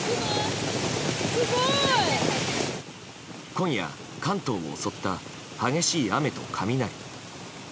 今夜、関東を襲った激しい雨と雷。